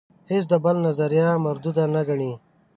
هیڅ د بل نظریه مرودوده نه ګڼي.